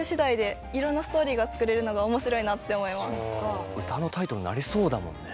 そういう歌のタイトルになりそうだもんね。